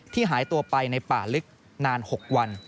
หายตัวไปในป่าลึกนาน๖วัน